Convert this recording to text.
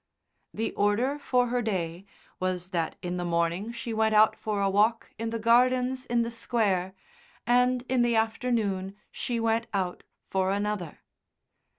The order for her day was that in the morning she went out for a walk in the gardens in the Square, and in the afternoon she went out for another.